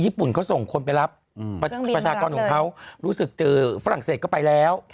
ญี่ปุ่นเขาส่งคนไปรับประชากรของเขารู้สึกฝรั่งเศสก็ไปแล้ว